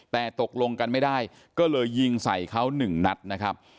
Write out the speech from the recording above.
แต่ตกลงกันไม่ได้ก็เลยยิงใส่เขาหนึ่งนัดนะครับ